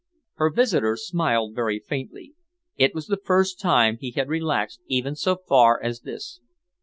Her visitor smiled very faintly. It was the first time he had relaxed even so far as this.